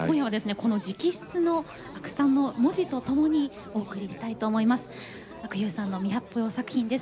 この直筆の阿久さんの文字とともにお送りしたいと思います。